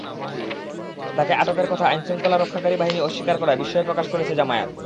তাঁকে আটকের কথা আইনশৃঙ্খলা রক্ষাকারী বাহিনী অস্বীকার করায় বিস্ময় প্রকাশ করেছে জামায়াত।